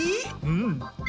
うん。